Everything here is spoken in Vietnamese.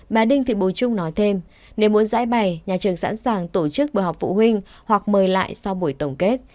bà đinh thị bồi trung nói thêm nếu muốn giải bày nhà trường sẵn sàng tổ chức bởi học phụ huynh hoặc mời lại sau buổi tổng kết